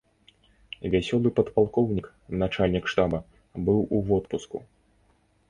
Вясёлы падпалкоўнік, начальнік штаба, быў у водпуску.